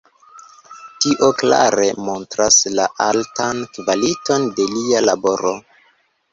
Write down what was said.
Tio klare montras la altan kvaliton de lia laboro.